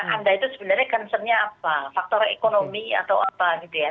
anda itu sebenarnya concernnya apa faktor ekonomi atau apa gitu ya